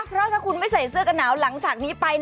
เพราะถ้าคุณไม่ใส่เสื้อกันหนาวหลังจากนี้ไป